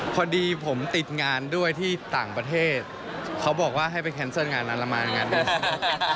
พอดีผมติดงานด้วยที่ต่างประเทศเขาบอกว่าให้ไปแค้นเซิร์ตงานนั้นแล้วมางานอื่น